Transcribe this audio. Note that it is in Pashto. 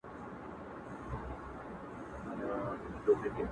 د ژوندون مست ساز دي د واورې په گردو کي بند دی!!